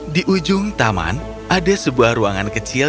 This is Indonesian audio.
di ujung taman ada sebuah ruangan kecil